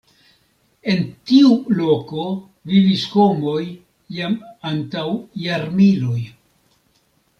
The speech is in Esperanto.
En tiu loko vivis homoj jam antaŭ jarmiloj.